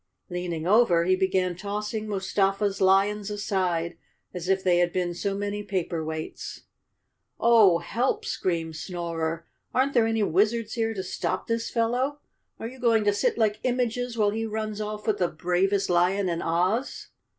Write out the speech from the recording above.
Leaning over, he began tossing Mustafa's lions aside as if they had been so many paper weights. "Oh, help!" screamed Snorer. "Aren't there any 277 The Cowardly Lion of Oz _ wizards here to stop this fellow? Are you going to sit like images while he runs off with the bravest lion in Oz?"